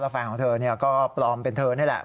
แฟนของเธอก็ปลอมเป็นเธอนี่แหละ